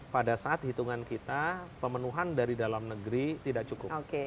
pada saat hitungan kita pemenuhan dari dalam negeri tidak cukup